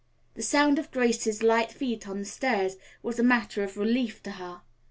The sound of Grace's light feet on the stairs was a matter of relief to her.